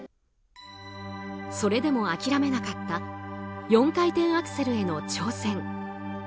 それでも諦めなかった４回転アクセルへの挑戦。